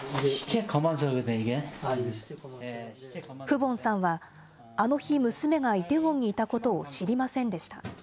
フボンさんは、あの日、娘がイテウォンにいたことを知りませんでした。